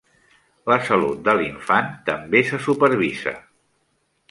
La salut de l'infant també se supervisa.